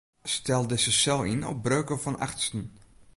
Stel dizze sel yn op breuken fan achtsten.